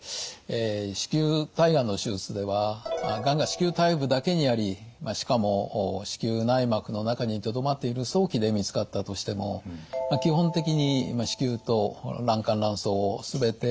子宮体がんの手術ではがんが子宮体部だけにありしかも子宮内膜の中にとどまっている早期で見つかったとしても基本的に子宮と卵管卵巣を全て摘出します。